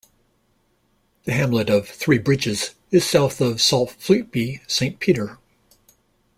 The hamlet of Three Bridges is south of Saltfleetby Saint Peter.